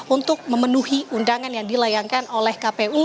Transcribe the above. untuk memenuhi undangan yang dilayangkan oleh kpu